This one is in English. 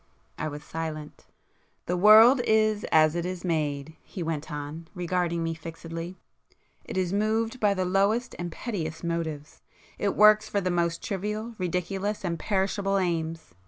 I was silent. "The world is as it is made,"—he went on, regarding me fixedly—"It is moved by the lowest and pettiest motives,—it works for the most trivial, ridiculous and perishable aims.